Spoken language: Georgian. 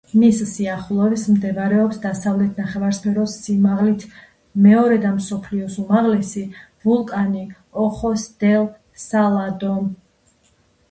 მის სიახლოვეს მდებარეობს დასავლეთ ნახევარსფეროს სიმაღლით მეორე და მსოფლიოს უმაღლესი ვულკანი ოხოს-დელ-სალადო.